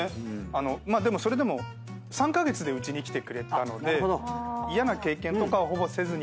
でもそれでも３カ月でうちに来てくれたので嫌な経験とかをほぼせずに。